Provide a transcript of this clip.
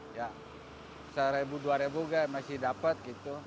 ya seribu dua ribu masih dapat gitu